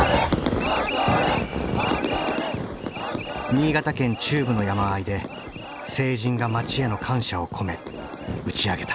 新潟県中部の山あいで成人が町への感謝を込め打ち上げた。